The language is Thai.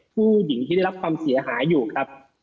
ผู้หญิงที่ได้รับความเสียหายอยู่ครับ